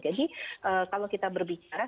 jadi kalau kita berbicara